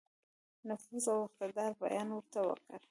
نفوذ او اقتدار بیان ورته وکړ.